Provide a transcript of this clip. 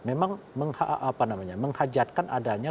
memang menghajatkan adanya